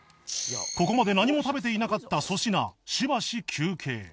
ここまで何も食べていなかった粗品しばし休憩